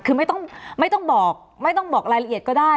คือไม่ต้องบอกไม่ต้องบอกรายละเอียดก็ได้